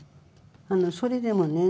あのそれでもね